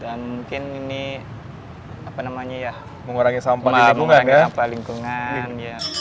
dan mungkin ini mengurangi sampah lingkungan